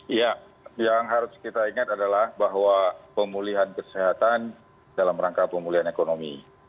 iya yang harus kita ingat adalah bahwa pemulihan kesehatan dalam rangka pemulihan ekonomi